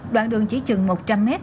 đoạn đường chỉ chừng một trăm linh m